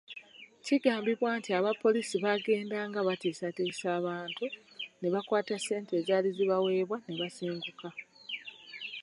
Kigambibwa nti abapoliisi baagendanga batiisatiisa abantu ne bakwata ssente ezaali zibaweebwa ne basenguka.